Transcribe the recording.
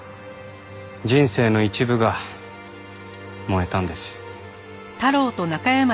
人生の一部が燃えたんです。